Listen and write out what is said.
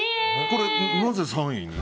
これはなぜ３位に？